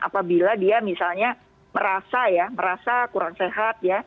apabila dia misalnya merasa kurang sehat